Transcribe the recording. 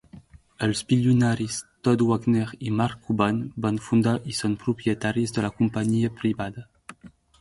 Els bilionaris Todd Wagner i Mark Cuban van fundar i són propietaris de la companyia privada.